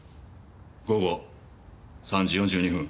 午後３時４２分